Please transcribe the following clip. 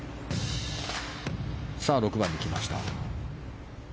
６番に来ました。